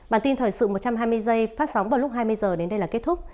bản tin thời sự một trăm hai mươi giây phát sóng vào lúc hai mươi h đến đây là kết thúc